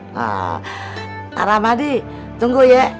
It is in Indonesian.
nah pak ramadi tunggu ya